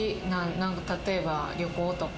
例えば旅行とか。